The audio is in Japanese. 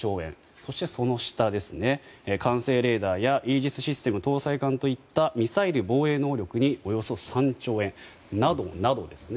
そしてその下管制レーダーやイージスシステム搭載艦といったミサイル防衛能力におよそ３兆円などなどですね。